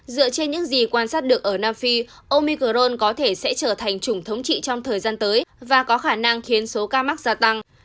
dựa trên những gì quan sát được ở nam phi omi grone có thể sẽ trở thành chủng thống trị trong thời gian tới và có khả năng khiến số ca mắc gia tăng